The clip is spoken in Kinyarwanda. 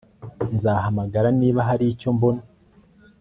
Nzahamagara niba hari icyo mbona